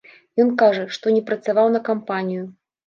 Ён кажа, што не працаваў на кампанію.